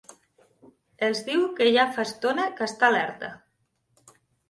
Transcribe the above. Els diu que ja fa estona que està alerta.